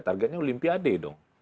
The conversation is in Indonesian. targetnya olimpiade dong